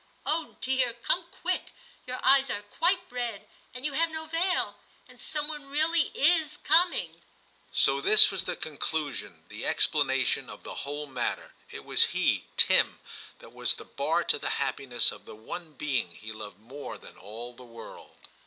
Oh ! dear, come quick ; your eyes are quite red, and you have no veil ; and some one really is coming.' So this was the conclusion, the ex planation of the whole matter. It was he, Tim, that was the bar to the happiness of the one being he loved more than all the world.